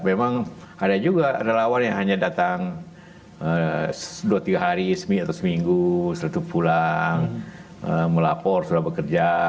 memang ada juga relawan yang hanya datang dua tiga hari atau seminggu setelah itu pulang melapor sudah bekerja